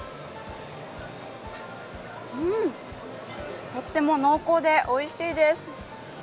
うん、とっても濃厚で、おいしいです。